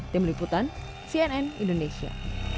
tim liputan cnn indonesia